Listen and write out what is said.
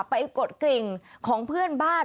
กดกริ่งของเพื่อนบ้าน